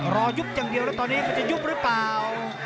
ยุบอย่างเดียวแล้วตอนนี้มันจะยุบหรือเปล่า